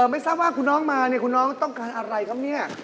ไม่ทราบว่าคุณน้องมาเนี่ยคุณน้องต้องการอะไรครับเนี่ย